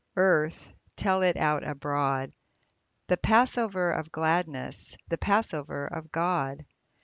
Earth, tell it out abroad ! The Passover of gladness, The Passover of God